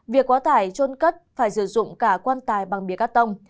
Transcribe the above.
việc quá tải trôn cất phải sử dụng cả quan tài bằng bia carton